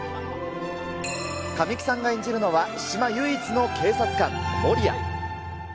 神木さんが演じるのは、島唯一の警察官、守屋。